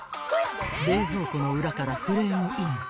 ［冷蔵庫の裏からフレームイン］